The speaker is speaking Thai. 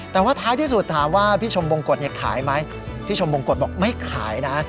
แต่ว่าท้ายที่สุดถามว่าพี่ชมบงกฎเนี่ยขายไหมพี่ชมบงกฎบอกไม่ขายนะ